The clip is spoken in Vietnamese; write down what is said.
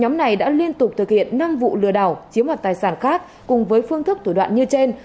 các đối tượng đã liên tục thực hiện năm vụ lừa đảo chiếm hoạt tài sản khác cùng với phương thức thủ đoạn như trên